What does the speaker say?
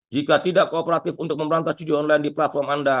jika tidak kooperatif untuk memberantas judi online di platform anda